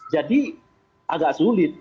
jadi agak sulit